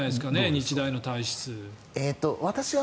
日大の体質では。